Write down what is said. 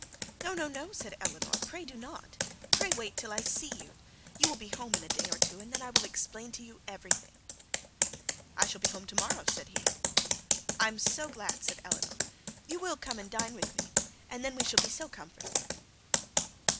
'No, no, no,' said Eleanor; 'pray do not pray wait till I see you. You will be home in a day or two, and then I will explain to you everything.' 'I shall be home to morrow,' said he. 'I am so glad,' said Eleanor. 'You will come and dine with me, and then we shall be so comfortable.'